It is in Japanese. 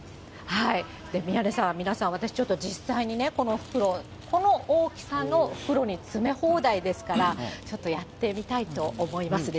宮根さん、皆さん、私ちょっと、実際にね、この袋、この大きさの袋に詰め放題ですから、ちょっとやってみたいと思いますね。